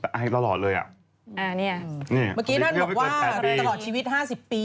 แต่ไอตลอดเลยอะ